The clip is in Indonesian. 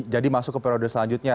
jadi masuk ke periode selanjutnya